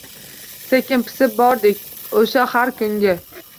Sekin pisib bordik… O’sha har kungi